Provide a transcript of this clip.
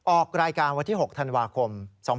ออกรายการวันที่๖ธันวาคม๒๕๖๒